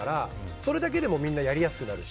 それだけでもみんなやりやすくなるし。